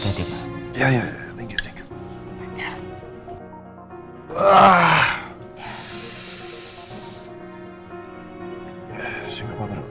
ya ya tinggi tinggi